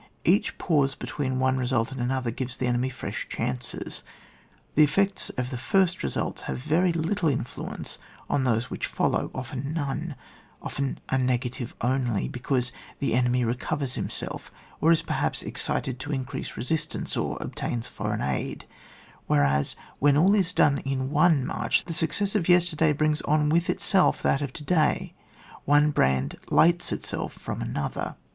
Each pause between one re sult and another gives the enemy fresh chances: the effects of the first results have very little influence on those which follow, often none, often a negative only, because the enemy recovers himself, or is perhaps excited to increased resistance, or obtains foreign aid ; whereas, when all is done in one march, the success of yesterday brings on with itself that of to day, one brand lights itself from another.